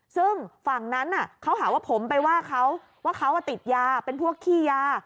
ซึ่งฝั่งนั้นเขาหาว่าผมไปว่าเขาว่าเขาติดยาเป็นพวกขี้ยา